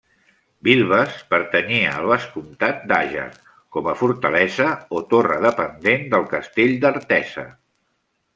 Vilves pertanyia al vescomtat d'Àger com a fortalesa o torre dependent del castell d'Artesa.